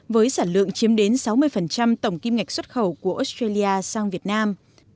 với sản lượng chiếm đến sáu mươi tổng kim ngạch xuất khẩu của australia sang việt nam